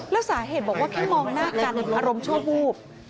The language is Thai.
แล้วสาเหตุบอกว่าเพียงมองหน้ากันอารมณ์โชว์บูบ